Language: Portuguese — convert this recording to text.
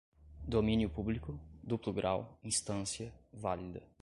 domínio público, duplo grau, instância, válida